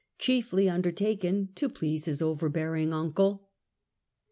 , chieiiy undertaken to please his overbearing uncle.